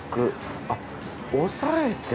あっ押さえて？